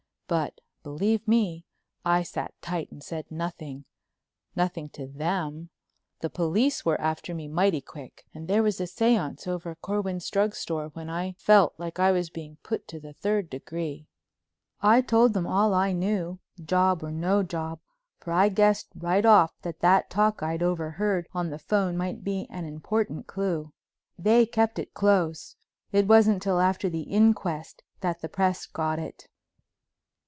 But, believe me, I sat tight and said nothing—nothing to them. The police were after me mighty quick, and there was a séance over Corwin's Drug Store when I felt like I was being put to the third degree. I told them all I knew, job or no job, for I guessed right off that that talk I'd overheard on the phone might be an important clew. They kept it close. It wasn't till after the inquest that the press got it.